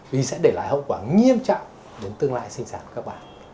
vì sẽ để lại hậu quả nghiêm trọng đến tương lai sinh sản của các bạn